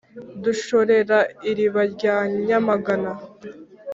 dushorera iriba rya nyamagana,